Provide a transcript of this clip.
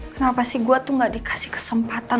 kenapa sih gue tuh gak dikasih kesempatan